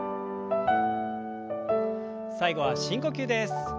最後は深呼吸です。